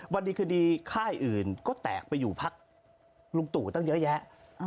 วันนี้คดีค่ายอื่นก็แตกไปอยู่พักลุงตู่ตั้งเยอะแยะ